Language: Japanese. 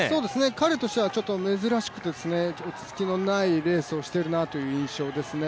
彼としては珍しく落ち着きのないレースをしているなという印象ですね。